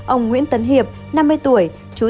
ông nguyễn tấn hiệp năm mươi tuổi